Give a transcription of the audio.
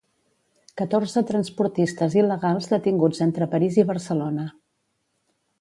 Catorze transportistes il·legals detinguts entre París i Barcelona.